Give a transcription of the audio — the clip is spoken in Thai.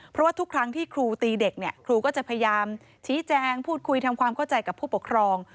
เพราะว่าทุกครั้งที่ครูตีเด็กเนี่ยครูก็จะพยายามชี้แจงพูดคุยทำความเข้าใจกับผู้ปกครอง